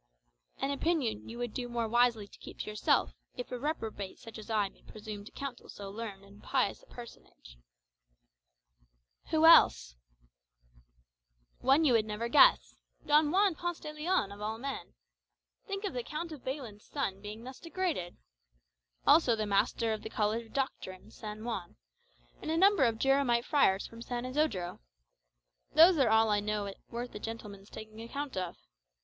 "An opinion you would do more wisely to keep to yourself, if a reprobate such as I may presume to counsel so learned and pious a personage." "Who else?" "One you would never guess. Don Juan Ponce de Leon, of all men. Think of the Count of Baylen's son being thus degraded! Also the master of the College of Doctrine, San Juan; and a number of Jeromite friars from San Isodro. Those are all I know worth a gentleman's taking account of.